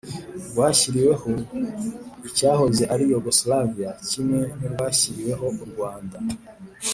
rwashyiriweho icyahoze ari yugosilaviya kimwe n'urwashyiriweho u rwanda